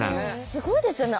すごいですよね。